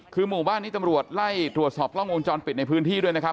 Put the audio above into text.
คือหมู่บ้านนี้ตำรวจไล่ตรวจสอบกล้องวงจรปิดในพื้นที่ด้วยนะครับ